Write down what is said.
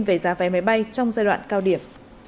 về giá vé máy bay trong giai đoạn cao điểm